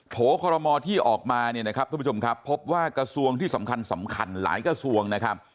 โผล่คอรมอที่ออกมาพบว่ากระทรวงที่สำคัญหลายกระทรวง